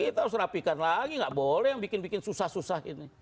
kita harus rapikan lagi nggak boleh yang bikin bikin susah susah ini